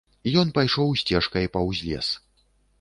Ён пайшоў сцежкай паўз лес.